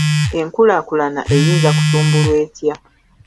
Enkulaakulana eyinza kutumbulwa etya?